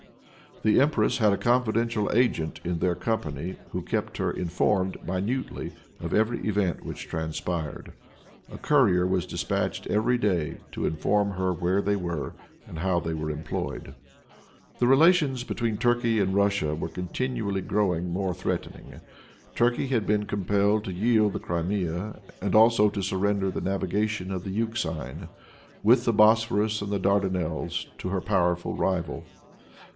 The empress had a confidential agent in their company, who kept her informed, minutely, of every event which transpired. A courier was dispatched every day to inform her where they were and how they were employed. The relations between Turkey and Russia were continually growing more threatening. Turkey had been compelled to yield the Crimea, and also to surrender the navigation of the Euxine, with the Bosporus and the Dardanelles, to her powerful rival.